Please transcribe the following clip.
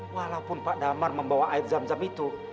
walaupun pak damar membawa air zam zam itu